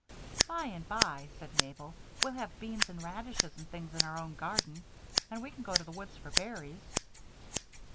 "By and by," said Mabel, "we'll have beans and radishes and things in our own garden, and we can go to the woods for berries."